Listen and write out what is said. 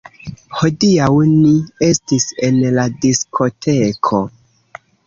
Hodiaŭ ni estis en la diskoteko